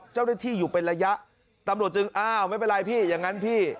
เจ้าหน้าที่อยู่เป็นระยะตำรวจจึงอ้าวไม่เป็นไรพี่อย่างนั้นพี่